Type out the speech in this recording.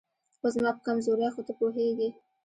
خو زما په کمزورۍ خو ته پوهېږې